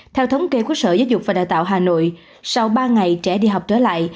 theo thống kê của sở giáo dục và đào tạo hà nội sau ba ngày trẻ đi học trở lại